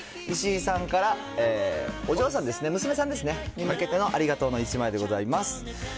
石井さんからお嬢さんですね、娘さんですね、に向けてのありがとうの１枚でございます。